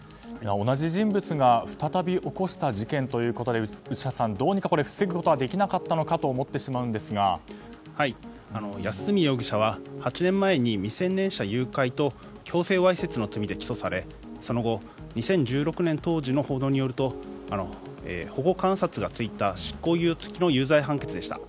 同じ人物が再び起こした事件ということで内橋さん、どうにか防ぐことはできなかったと安栖容疑者は８年前に未成年者誘拐と強制わいせつの罪で起訴されその後２０１６年当時の報道によると保護観察がついた執行猶予付きの有罪判決でした。